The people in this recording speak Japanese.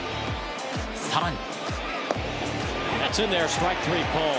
更に。